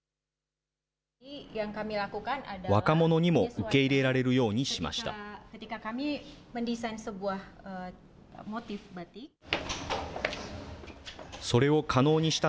若者にも受け入れられるようにしました。